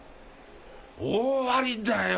大ありだよ。